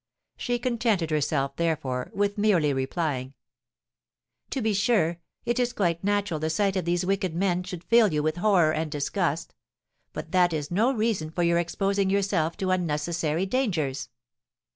She contented herself, therefore, with merely replying: "To be sure, it is quite natural the sight of these wicked men should fill you with horror and disgust; but that is no reason for your exposing yourself to unnecessary dangers."